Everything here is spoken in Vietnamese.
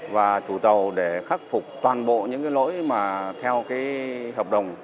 và chủ tàu để khắc phục toàn bộ những cái lỗi mà theo cái hợp đồng